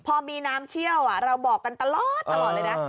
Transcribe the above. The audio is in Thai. พอมีน้ำเชี่ยวเราบอกกันตลอดเลยนะ